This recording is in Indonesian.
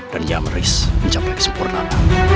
dan nyamris mencapai kesempurnaan